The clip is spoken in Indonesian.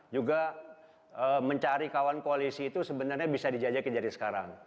juga mencari kawan koalisi itu sebenarnya bisa dijajakin dari sekarang